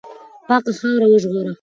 پاکه خاوره وژغوره.